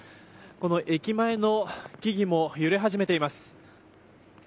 この駅前の木々も揺れ始めています。